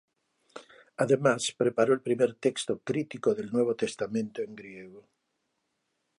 Además, preparó el primer texto crítico del Nuevo Testamento en griego.